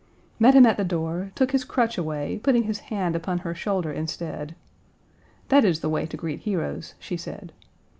"met him at the door, took his crutch away, putting his hand upon her shoulder instead. "That is the way to greet heroes," she said.